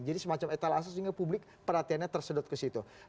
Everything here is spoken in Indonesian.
jadi semacam etalase sehingga publik perhatiannya tersedot ke situ